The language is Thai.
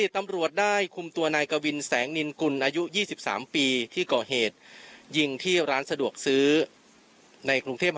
ตำรวจได้คุมตัวนายกวินแสง